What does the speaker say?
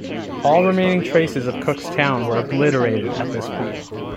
All remaining traces of Cooke's town were obliterated at this point.